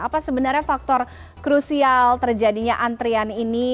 apa sebenarnya faktor krusial terjadinya antrian ini